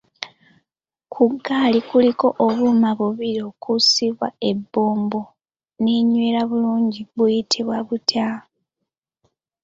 Ku ggaali kuliko obuuma bubiri okussibwa ebbombo n'enywera bulungi, buyitibwa butya?